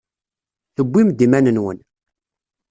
Tewwim-d iman-nwen.